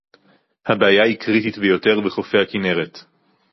הבעיה היא קריטית ביותר בחופי הכינרת